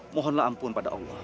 mohonlah ampun pada allah